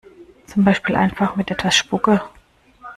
Zum Beispiel einfach mit etwas Spucke.